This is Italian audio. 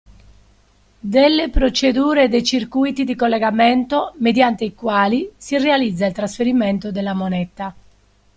Delle procedure e dei circuiti di collegamento mediante i quali si realizza il trasferimento della moneta.